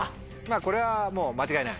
これはもう間違いない？